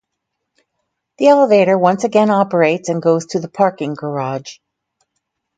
The elevator once again operates and goes to the parking garage.